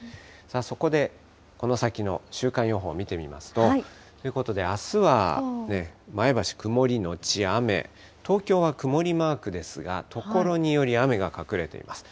そこでこの先の週間予報見てみますと、ということで、あすは前橋、曇りのち雨、東京は曇りマークですが、所により雨が隠れています。